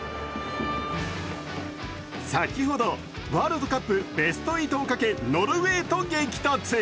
先ほど、ワールドカップベスト８をかけ、ノルウェーと激突。